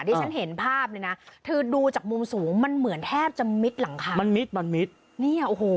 ที่ฉันเห็นภาพเลยนะคือดูจากมุมสูงมันเหมือนแทบจะมิดหลังคามันมิดมันมิดเนี่ยโอ้โห